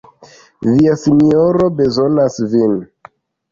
Via sinjoro bezonas vin!